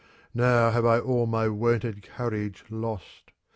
" Now have I all my wonted courage lost.